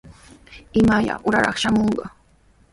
¿Imaya uuraraq shamunqa?